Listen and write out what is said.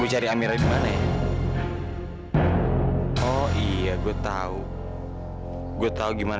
aku harus bisa lepas dari sini sebelum orang itu datang